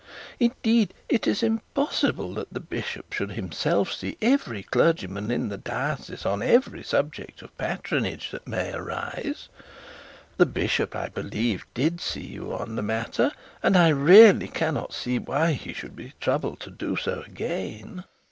Indeed, it is impossible that the bishop should himself see every clergyman in the diocese on every subject of patronage that may arise. The bishop, I believe, did see you on the matter, and I really cannot see why he should be troubled to do so again.'